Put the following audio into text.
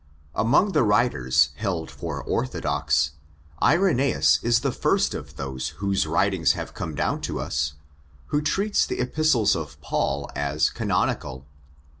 Among the writers held for orthodox, Irensus is the first of those whose writings have come down to us who treats the Epistles of Paul as canonical.